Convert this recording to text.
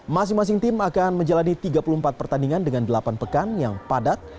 masing masing tim akan menjalani tiga puluh empat pertandingan dengan delapan pekan yang padat